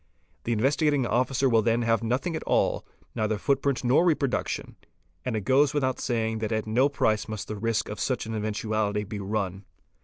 The Investigating Officer will then have nothing at all, neither footprint | nor reproduction ; and it goes without saying that at no price must the risk of such an eventuality be run.